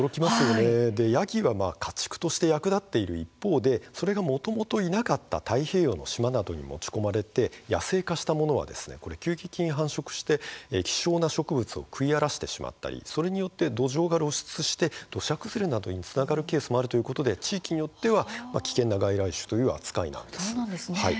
ヤギは家畜として役立っている一方でそれがもともといなかった太平洋の島などに持ち込まれて野生化したものは急激に繁殖して希少な植物を食い荒らしてしまったりそれによって土壌が露出して土砂崩れにつながるケースもあるということで地域によっては危険な外来種という扱いなんです。